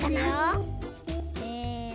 せの。